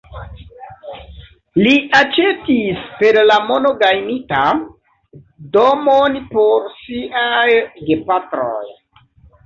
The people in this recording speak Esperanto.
Li aĉetis, per la mono gajnita, domon por siaj gepatroj.